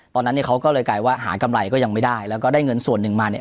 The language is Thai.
ตอนนั้นเนี่ยเขาก็เลยกลายว่าหากำไรก็ยังไม่ได้แล้วก็ได้เงินส่วนหนึ่งมาเนี่ย